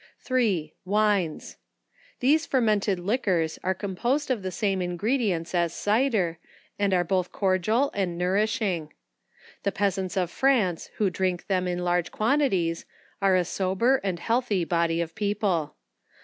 3, Wines. These fermented liquors are composed of the same ingredients as cider, and are both cordial and nourishing. The peasants of France who drink them in large quantities, are a sober and healthy body of people.